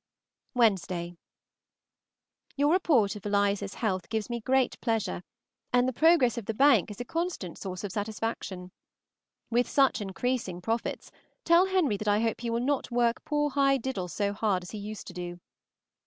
Wednesday. Your report of Eliza's health gives me great pleasure, and the progress of the bank is a constant source of satisfaction. With such increasing profits, tell Henry that I hope he will not work poor High Diddle so hard as he used to do.